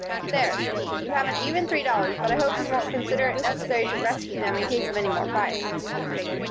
"There," said he, "you have an even three dollars, but I hope you won't consider it necessary to rescue them in case of any more fires."